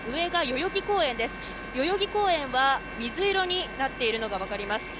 代々木公園は水色になっているのが分かります。